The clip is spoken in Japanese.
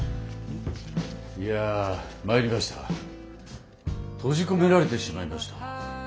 いや参りました閉じ込められてしまいました。